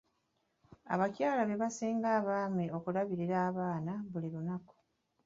Abakyala be basinga abaami okulabirira abaana buli lunaku.